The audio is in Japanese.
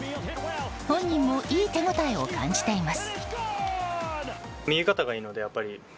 本人もいい手応えを感じています。